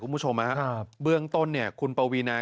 คุณผู้ชมอ่ะ